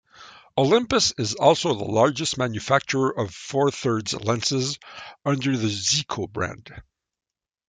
Olympus is also the largest manufacturer of Four-Thirds lenses, under the Zuiko brand.